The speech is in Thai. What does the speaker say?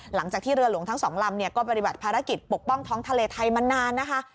หลังจากที่เรือหลวงทั้งสองลำเนี่ยก็ปฏิบัติภารกิจปกป้องท้องทะเลไทยมานานนะคะ